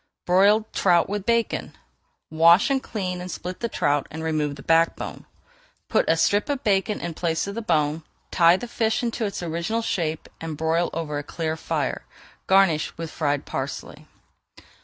BROILED TROUT WITH BACON Wash, clean, and split a trout, and remove the back bone. Put a strip of bacon in place of the bone, tie the fish into its original shape and broil over a clear fire. Garnish with fried parsley.